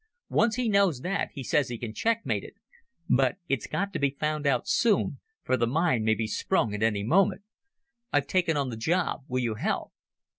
Once he knows that, he says he can checkmate it. But it's got to be found out soon, for the mine may be sprung at any moment. I've taken on the job. Will you help?"